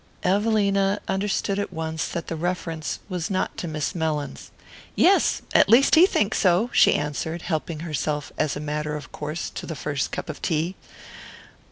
Evelina understood at once that the reference was not to Miss Mellins. "Yes at least he thinks so," she answered, helping herself as a matter of course to the first cup of tea.